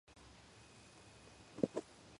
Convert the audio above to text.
არის თეთრი, ჰიგროსკოპული, მყარი ნივთიერება.